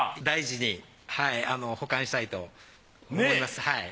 大事に保管したいと思います。